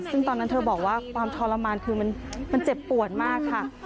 ซึ่งตอนนั้นเธอบอกว่าความทรมานคือมันเจ็บปวดมากค่ะ